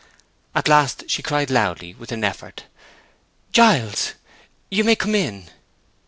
At last she cried loudly with an effort, "Giles! you may come in!"